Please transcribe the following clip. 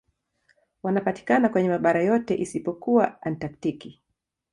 Wanapatikana kwenye mabara yote isipokuwa Antaktiki.